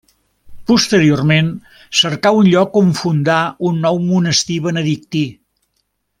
Posteriorment, cercà un lloc on fundar un nou monestir benedictí.